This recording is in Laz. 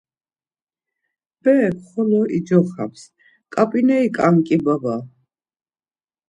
Berek xolo icoxams; Ǩap̌ineri ǩanǩi baba...